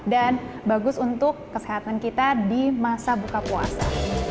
dan bagus untuk kesehatan kita di masa buka puasa